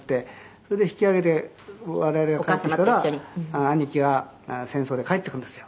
「それで引き揚げて我々が帰ってきたら兄貴が戦争で帰ってくるんですよ。